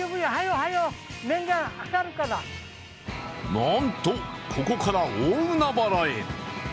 なんとここから大海原へ。